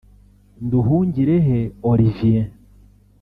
Nduhungirehe Olivier